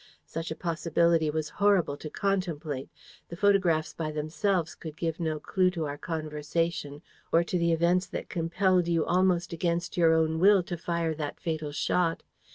Such a possibility was horrible to contemplate. The photographs by themselves could give no clue to our conversation or to the events that compelled you, almost against your own will, to fire that fatal shot.